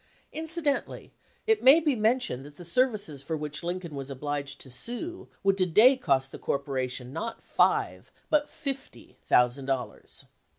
Incidentally it may be mentioned that the services for which Lin coln was obliged to sue would to day cost the cor poration not five, but fifty, thousand dollars.